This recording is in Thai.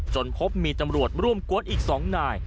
พบมีตำรวจร่วมกวดอีก๒นาย